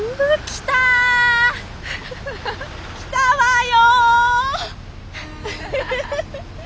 来たわよ！